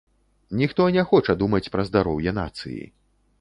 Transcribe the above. Ніхто не хоча думаць пра здароўе нацыі.